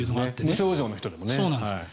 無症状の人でもね。